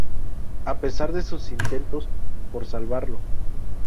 A pesar de sus intentos por salvarlo.